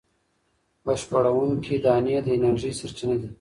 بشپړوونکې دانې د انرژۍ سرچینه دي.